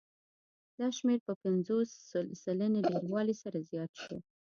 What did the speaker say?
دا شمېر په پنځوس سلنې ډېروالي سره زیات شو